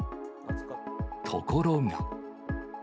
ところが。